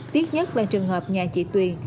tiếc nhất là trường hợp nhà chị tuyền